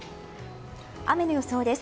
雨の予想です。